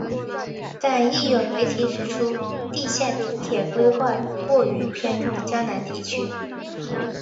但亦有媒体指出地下铁规划过于偏重江南地区。